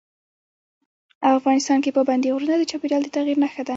افغانستان کې پابندي غرونه د چاپېریال د تغیر نښه ده.